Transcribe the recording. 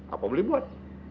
apa boleh buat